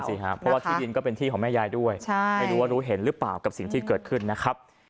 เพราะว่าที่ดินก็เป็นที่ของแม่ยายด้วยไม่รู้ว่ารู้เห็นหรือเปล่ากับสิ่งที่เกิดขึ้นนะครับ